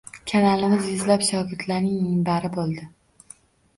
Kanalimiz yuzlab shogirdlarning minbari boʻldi.